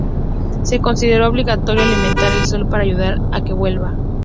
Se consideró obligatorio "alimentar" el sol para ayudar a que vuelva.